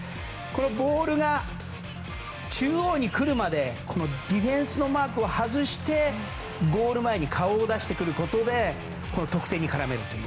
ボールが中央にくるまでディフェンスのマークを外してゴール前に顔を出してくることで得点に絡めるという。